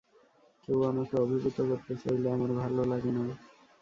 কেউ আমাকে অভিভূত করতে চাইলে আমার ভাল লাগে না।